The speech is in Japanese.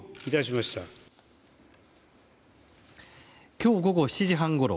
今日午後７時半ごろ